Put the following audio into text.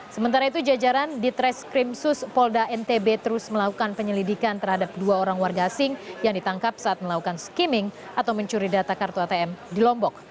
sementara itu jajaran ditres krimsus polda ntb terus melakukan penyelidikan terhadap dua orang warga asing yang ditangkap saat melakukan skimming atau mencuri data kartu atm di lombok